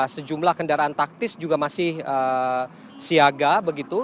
sejumlah kendaraan taktis juga masih siaga begitu